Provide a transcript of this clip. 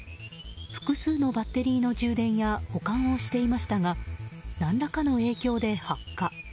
複数のバッテリーの充電や保管をしていましたが何らかの影響で発火。